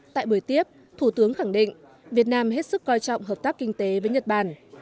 tại buổi tiếp thủ tướng khẳng định việt nam hết sức coi trọng hợp tác kinh tế với nhật bản